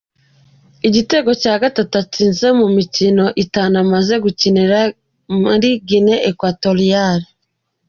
Igitego cya gatatu atsinze mu mikino itanu amaze gukinira muri Guinea Equatorial.